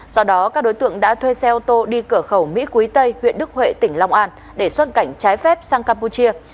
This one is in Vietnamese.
sau đó các đối tượng đã thuê xe ô tô đi cửa khẩu mỹ quý tây huyện đức huệ tỉnh long an để xuất cảnh trái phép sang campuchia